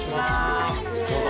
どうぞ。